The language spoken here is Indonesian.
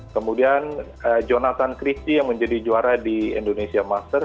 kemudian jonathan christie yang menjadi juara di indonesia master